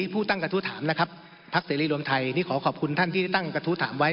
ผู้ตั้งกระทู้ถามนะครับพักเสรีรวมไทยนี่ขอขอบคุณท่านที่ตั้งกระทู้ถามไว้